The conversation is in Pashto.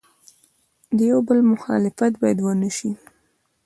د یو بل مخالفت باید ونسي.